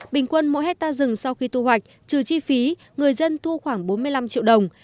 bình quân mỗi hectare rừng sau khi thu hoạch trừ chi phí người dân thu khoảng bốn mươi năm triệu đồng